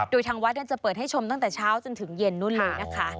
โดยทางวัดจะเปิดให้ชมตั้งแต่เช้าจนถึงเย็นนู่นเลยนะคะ